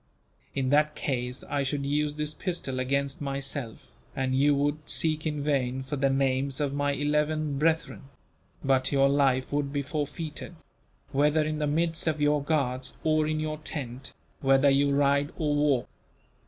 In that case I should use this pistol against myself, and you would seek in vain for the names of my eleven brethren; but your life would be forfeited whether in the midst of your guards or in your tent, whether you ride or walk.